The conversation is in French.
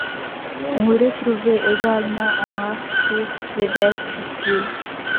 On retrouve également en artiste vedette Pitbull.